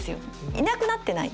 いなくなってない。